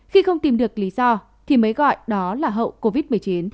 khi không tìm được lý do thì mới gọi đó là hậu covid một mươi chín